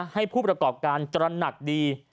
ให้ผู้ประกอบการตระหนักดี